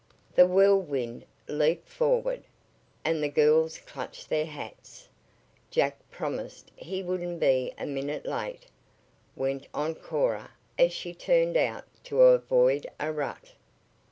The Whirlwind leaped forward, and the girls clutched their hats. "Jack promised he wouldn't be a minute late," went on Cora as she turned out to avoid a rut.